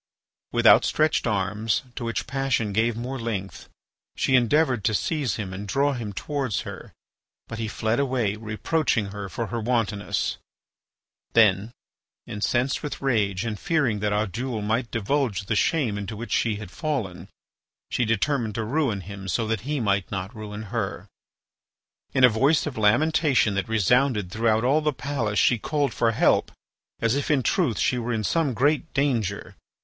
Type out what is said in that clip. With outstretched arms to which passion gave more length, she endeavoured to seize him and draw him towards her. But he fled away, reproaching her for her wantonness. Then, incensed with rage and fearing that Oddoul might divulge the shame into which she had fallen, she determined to ruin him so that he might not ruin her. In a voice of lamentation that resounded throughout all the palace she called for help, as if, in truth, she were in some great danger.